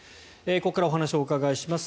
ここからお話をお伺いします